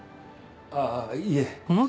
ああいいえ。